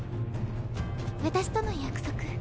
私との約束